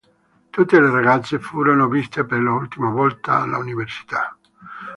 Tutte le ragazze furono viste per l'ultima volta all'università.